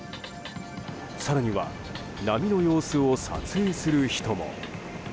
更には波の様子を撮影する人も。